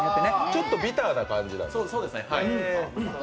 ちょっとビターな感じなんですね。